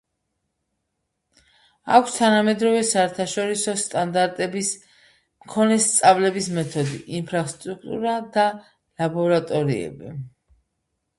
აქვს თანამედროვე საერთაშორისო სტანდარტების მქონე სწავლების მეთოდი, ინფრასტრუქტურა და ლაბორატორიები.